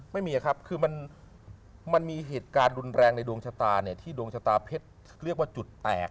ไม่มีครับคือมันมีเหตุการณ์รุนแรงในดวงชะตาเนี่ยที่ดวงชะตาเพชรเรียกว่าจุดแตก